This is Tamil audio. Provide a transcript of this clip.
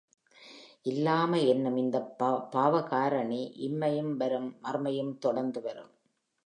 இல்லாமை என்னும் இந்தப் பாவகாரணி இம்மையும் வரும் மறுமையும் தொடர்ந்து வரும்.